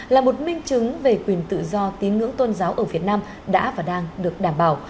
là một minh chứng về quyền tự do tín ngưỡng tôn giáo ở việt nam đã và đang được đảm bảo